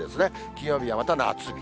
金曜日はまた夏日。